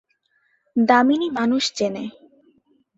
দামিনী মানুষ চেনে।